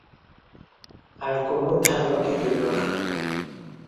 আর কোনো ধার-বাকি রইলো না।